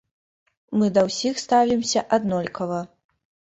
Мы да ўсіх ставімся аднолькава.